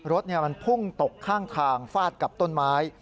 รถมันพุ่งตกข้างทางฟาดกับต้นไม้